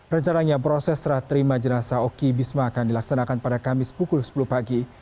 rencananya proses serah terima jenazah oki bisma akan dilaksanakan pada kamis pukul sepuluh pagi